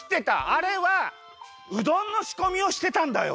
あれはうどんのしこみをしてたんだよ。